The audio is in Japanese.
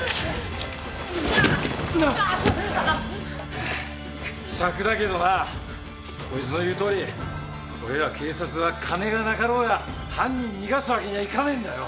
はぁしゃくだけどなこいつの言うとおり俺ら警察は金がなかろうが犯人逃がすわけにはいかねぇんだよ。